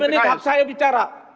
sepuluh menit hak saya bicara